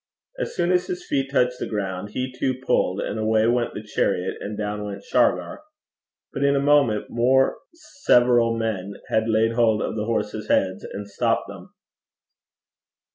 As soon as his feet touched the ground he too pulled, and away went the chariot and down went Shargar. But in a moment more several men had laid hold of the horses' heads, and stopped them.